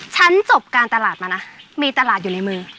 ฉันจบการตลาดมานะมีตลาดอยู่ในมือ